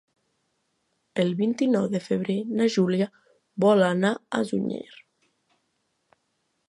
El vint-i-nou de febrer na Júlia vol anar a Sunyer.